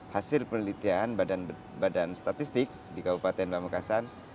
hasil penelitian badan statistik di kabupaten pamekasan